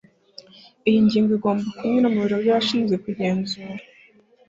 iyi ngingo igomba kunyura mu biro byabashinzwe kugenzura